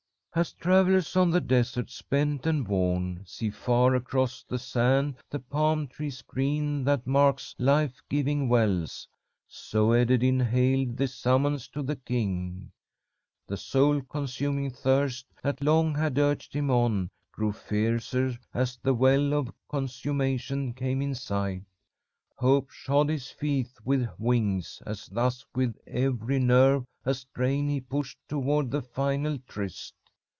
"As travellers on the desert, spent and worn, see far across the sand the palm tree's green that marks life giving wells, so Ederyn hailed this summons to the king. The soul consuming thirst that long had urged him on grew fiercer as the well of consummation came in sight. Hope shod his feet with wings, as thus with every nerve a strain he pushed toward the final tryst.